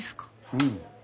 うん。